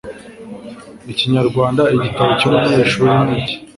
Ikinyarwanda Igitabo cy'umunyeshuri nicyi